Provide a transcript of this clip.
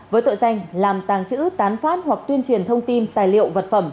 với tội danh làm tàng trữ tán phát hoặc tuyên truyền thông tin tài liệu vật phẩm